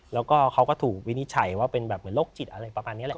แล้วก็เขาก็ถูกวินิจฉัยว่าเป็นแบบเหมือนโรคจิตอะไรประมาณนี้แหละ